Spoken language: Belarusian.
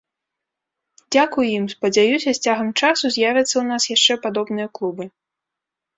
Дзякуй ім, спадзяюся, з цягам часу з'явяцца ў нас яшчэ падобныя клубы.